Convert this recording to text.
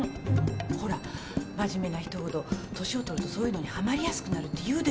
ほらまじめな人ほど年を取るとそういうのにはまりやすくなるっていうでしょう。